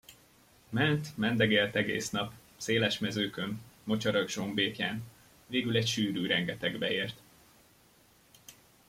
Ment, mendegélt egész nap, széles mezőkön, mocsarak zsombékján, végül egy sűrű rengetegbe ért.